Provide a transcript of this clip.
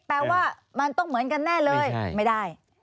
แปลว่ามันต้องเหมือนกันแน่เลยไม่ได้